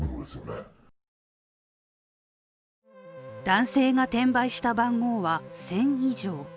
男性が転売した番号は１０００以上。